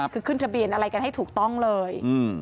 คือขึ้นทะเบียนอะไรกันให้ถูกต้องเลย